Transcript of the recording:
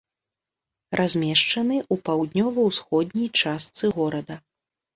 Размешчаны ў паўднёва-ўсходняй частцы горада.